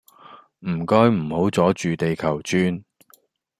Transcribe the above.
唔該唔好阻住地球轉